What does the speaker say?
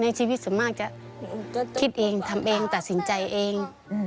ในชีวิตสุดง่ายจะคิดถึงจะสินใจเอง